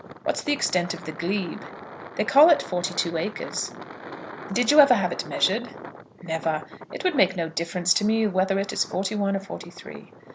What's the extent of the glebe?" "They call it forty two acres." "Did you ever have it measured?" "Never. It would make no difference to me whether it is forty one or forty three."